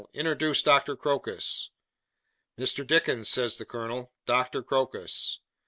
introduce Doctor Crocus.' 'Mr. Dickens,' says the colonel, 'Doctor Crocus.